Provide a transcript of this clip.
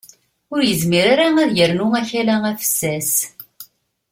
Ur yezmir ara ad yernu akala afessas.